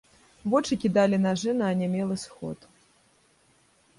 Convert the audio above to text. Вочы кідалі нажы на анямелы сход.